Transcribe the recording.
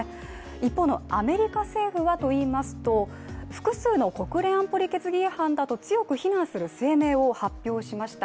一方のアメリカ政府はといいますと複数の国連安保理決議違反だと、強く非難する声明を発表しました。